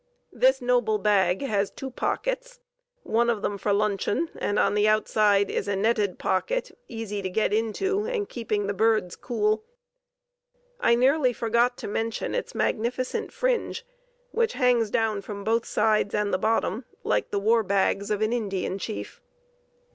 This noble bag has two pockets, one of them for luncheon, and on the outside is a netted pocket, easy to get into and keeping the birds cool. I nearly forgot to mention its magnificent fringe, which hangs down from both sides and the bottom like the war bags of an Indian chief.